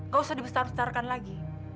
gak usah dibestar bestarkan lagi